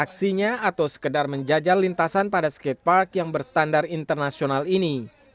aksinya atau sekedar menjajal lintasan pada skatepark yang berstandar internasional ini